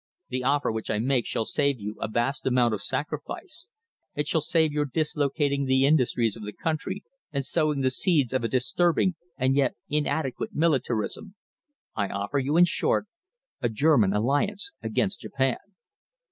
The offer which I make shall save you a vast amount of sacrifice. It shall save your dislocating the industries of the country and sowing the seeds of a disturbing and yet inadequate militarism. I offer you, in short, a German alliance against Japan."